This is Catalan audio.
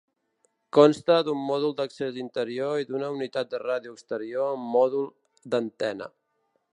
Consta d'un mòdul d'accés interior i d'una unitat de ràdio exterior amb mòdul d'antena.